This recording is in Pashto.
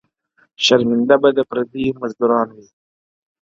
شرمنده به د پردیو مزدوران سي-